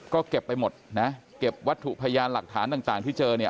ก็เก็บไปหมดนะเก็บวัตถุพยานหลักฐานต่างที่เจอเนี่ย